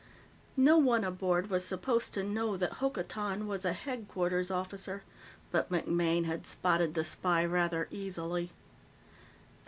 No one aboard was supposed to know that Hokotan was a Headquarters officer, but MacMaine had spotted the spy rather easily.